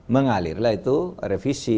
mengalirlah itu revisi